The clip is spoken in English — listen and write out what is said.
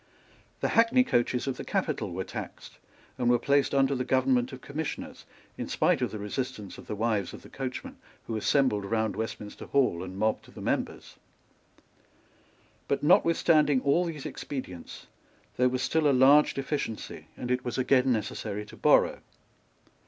The hackney coaches of the capital were taxed, and were placed under the government of commissioners, in spite of the resistance of the wives of the coachmen, who assembled round Westminster Hall and mobbed the members. But, notwithstanding all these expedients, there was still a large deficiency; and it was again necessary to borrow.